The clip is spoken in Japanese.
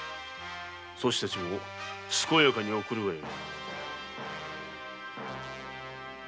そちたちも健やかに送るがよい。